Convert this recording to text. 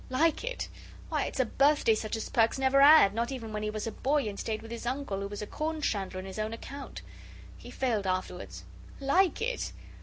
"Like it? Why, it's a birthday such as Perks never 'ad, not even when 'e was a boy and stayed with his uncle, who was a corn chandler in his own account. He failed afterwards. Like it?